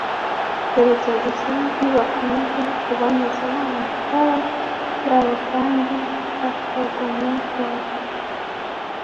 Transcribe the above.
Keretse gusa nibakomeza kuboneza amatara yabo kandi akagumya kwaka,